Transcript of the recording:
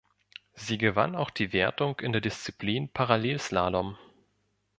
Sie gewann auch die Wertung in der Disziplin Parallel-Slalom.